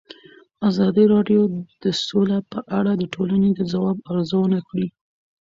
ازادي راډیو د سوله په اړه د ټولنې د ځواب ارزونه کړې.